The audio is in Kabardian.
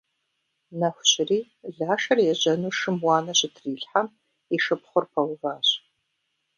Нэху щыри, Лашэр ежьэну шым уанэ щытрилъхьэм, и шыпхъур пэуващ.